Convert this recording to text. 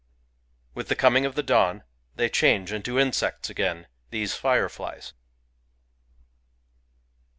With the coming of the dawn, they change into insects again, — these fireflies